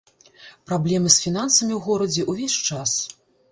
Праблемы з фінансамі ў горадзе ўвесь час.